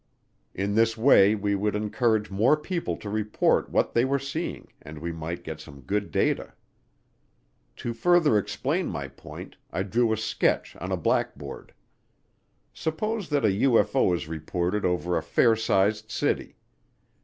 In this way we would encourage more people to report what they were seeing and we might get some good data. To further explain my point, I drew a sketch on a blackboard. Suppose that a UFO is reported over a fair sized city.